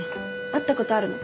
会ったことあるの？